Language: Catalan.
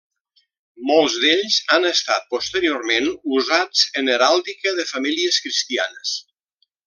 Molts d'ells han estat posteriorment usats en heràldica de famílies cristianes.